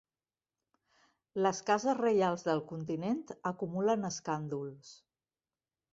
Les cases reials del continent acumulen escàndols.